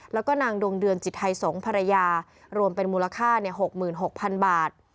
แล้วก็นางดวงเดือนจิตไทยสงศ์ภรรยารวมเป็นมูลค่า๖๖๐๐๐บาท